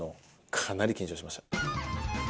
かなり緊張しました。